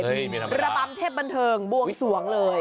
เฮ้ยมีธรรมดาระบำเทพบันเทิงบวงสวงเลย